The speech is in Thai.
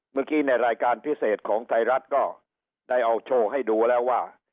ในรายการพิเศษของไทยรัฐก็ได้เอาโชว์ให้ดูแล้วว่า